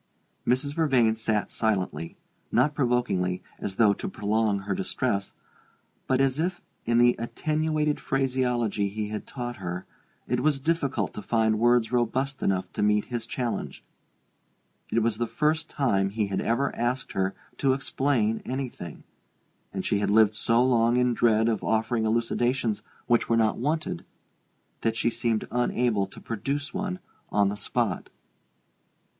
Mrs. Vervain sat silent, not provokingly, as though to prolong his distress, but as if, in the attenuated phraseology he had taught her, it was difficult to find words robust enough to meet his challenge. It was the first time he had ever asked her to explain anything; and she had lived so long in dread of offering elucidations which were not wanted, that she seemed unable to produce one on the spot.